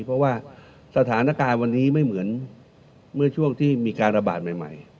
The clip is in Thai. เพราะว่าสถานการณ์วันนี้ไม่เหมือนเมื่อช่วงที่มีการระบาดใหม่